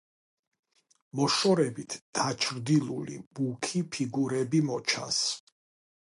მოშორებით დაჩრდილული მუქი ფიგურები მოჩანს.